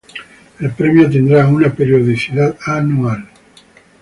El premio tendrá una periodicidad anual.